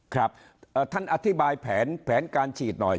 ครับท่านอธิบายแผนการฉีดหน่อย